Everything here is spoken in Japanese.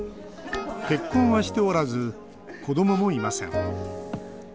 結婚はしておらず子どももいません。